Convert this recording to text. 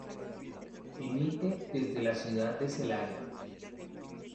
Emite desde la Ciudad de Celaya.